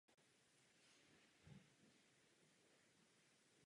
Jeho území přibližně odpovídá území starého království Sussex.